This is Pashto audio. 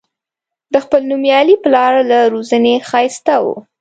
د خپل نومیالي پلار له روزنې ښایسته و.